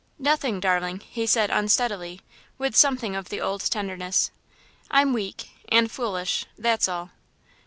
"Nothing, darling," he said unsteadily, with something of the old tenderness. "I'm weak and foolish that's all."